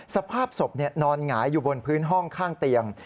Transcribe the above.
สภาพศพนอนหงายอยู่บนพื้นห้องข้างเตียง